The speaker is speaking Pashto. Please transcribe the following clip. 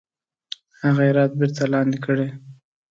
هغه هرات بیرته لاندي کړي.